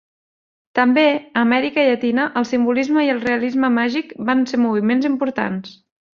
També a Amèrica Llatina, el simbolisme i el realisme màgic van ser moviments importants.